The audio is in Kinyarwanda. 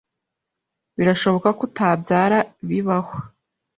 Birashoboka ko utabyara bibaho